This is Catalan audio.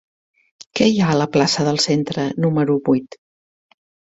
Què hi ha a la plaça del Centre número vuit?